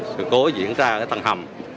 sự cố diễn ra